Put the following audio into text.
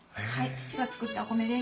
父が作ったお米です。